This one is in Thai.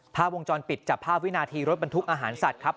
ภาพวงจรปิดจับภาพวินาทีรถบรรทุกอาหารสัตว์ครับ